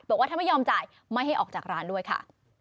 บอกว่าถ้าไม่ยอมจ่ายไม่ให้ออกจากร้านด้วยค่ะ